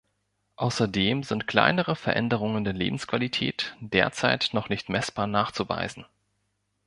Außerdem sind kleinere Veränderungen der Lebensqualität derzeit noch nicht messbar nachzuweisen.